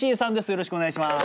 よろしくお願いします。